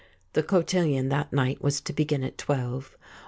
The cotillion that night was to begin at twelve.